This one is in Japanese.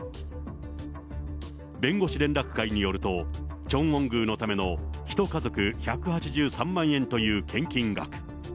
弁護士連絡会によると、チョンウォン宮のための１家族１８３万円という献金額。